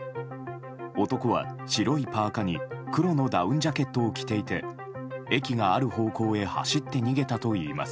男は白いパーカに黒のダウンジャケットを着ていて駅がある方向へ走って逃げたといいます。